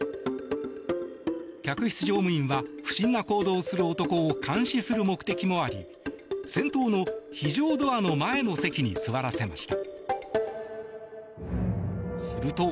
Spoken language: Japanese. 客室乗務員は不審な行動をする男を監視する目的もあり先頭の非常ドアの前の席に座らせました。